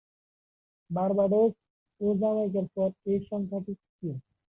Barbados ও জ্যামাইকার পর এ সংখ্যাটি তৃতীয়।